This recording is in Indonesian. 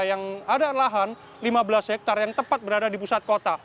yang ada lahan lima belas hektare yang tepat berada di pusat kota